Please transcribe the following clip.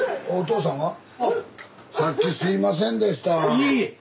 いえいえ。